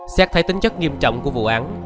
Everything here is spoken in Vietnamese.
xét thấy tính chất nghiêm trọng của vụ án